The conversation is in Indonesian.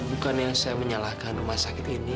bukannya saya menyalahkan rumah sakit ini